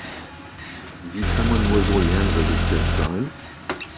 Wie kann man nur so lernresistent sein?